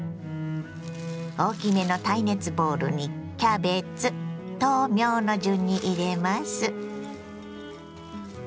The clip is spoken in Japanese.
大きめの耐熱ボウルにキャベツ豆苗の順に入れます。